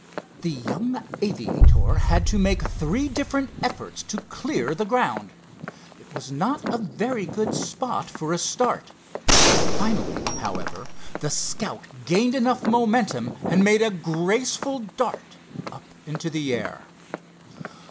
The young aviator had to make three different efforts to clear the ground. It was not a very good spot for a start. Finally, however, the Scout gained enough momentum and made a graceful dart up into the air.